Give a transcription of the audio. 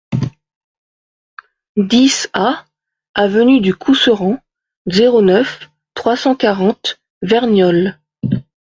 dix A avenue du Couserans, zéro neuf, trois cent quarante, Verniolle